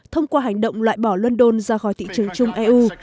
thông qua hành động loại bỏ london ra khỏi thị trường chung eu